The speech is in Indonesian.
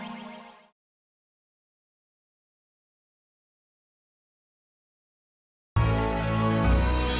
dia berani melarikan zed